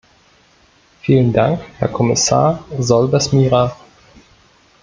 Vielen Dank, Herr Kommissar Solbes Mira.